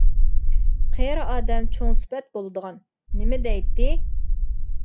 قېرى ئادەم چوڭ سۈپەت بولىدىغان، نېمە دەيتتى!